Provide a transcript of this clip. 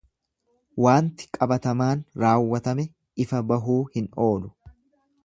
Waanti qabatamaan raawwatame ifa bahuu hin oolu.